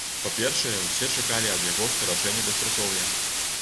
Па-першае, усе чакалі ад яго скарачэння беспрацоўя.